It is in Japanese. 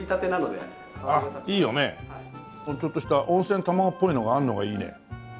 ちょっとした温泉卵っぽいのがあるのがいいね。